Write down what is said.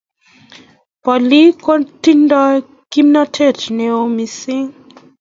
Pelik kotindoi kimnated neo missing